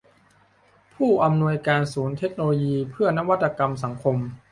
ผู้อำนวยการศูนย์เทคโนโลยีเพื่อนวัตกรรมสังคม